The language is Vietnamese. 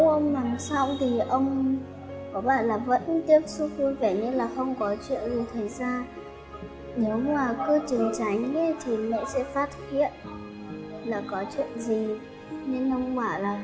ông mong là mẹ và mọi người không biết đến tên ông